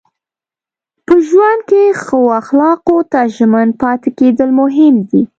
په ژوند کې ښو اخلاقو ته ژمن پاتې کېدل مهم دي.